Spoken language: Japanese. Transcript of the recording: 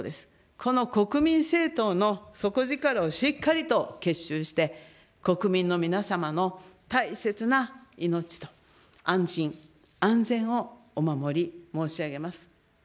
この国民政党の底力をしっかりと結集して、国民の皆様の大切な命と安心安全をお守り申し上げます。